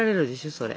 それ。